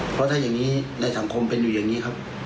เพราะถ้าอย่างนี้ในสังคมเป็นอยู่อย่างนี้ครับ